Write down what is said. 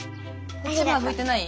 こっちまだ拭いてない？